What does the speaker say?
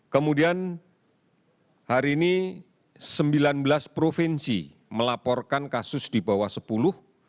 kemudian hari ini sembilan belas provinsi melaporkan kasus di bawah sepuluh